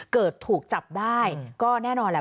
ถูกจับได้ก็แน่นอนแหละ